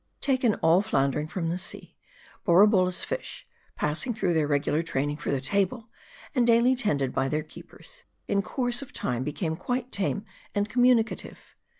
Taken all floundering from the sea, Borabolla's fish, pass ing through their regular training for the table, and daily tended by their keepers, in course of time became quite tame and communicative.